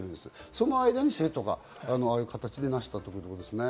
その間に生徒がああいう形で出したということですね。